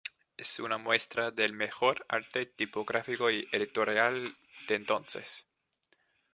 Es una muestra del mejor arte tipográfico y editorial de entonces.